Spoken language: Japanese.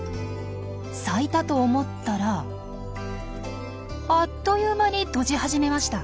咲いたと思ったらあっという間に閉じ始めました。